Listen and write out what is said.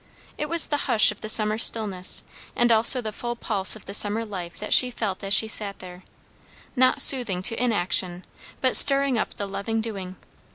It was the hush of the summer stillness, and also the full pulse of the summer life that she felt as she sat there; not soothing to inaction, but stirring up the loving doing.